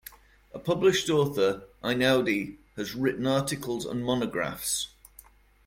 A published author, Einaudi has written articles and monographs.